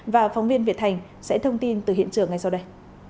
và phóng viên việt thành sẽ thông tin từ hiện trường ngay sau đây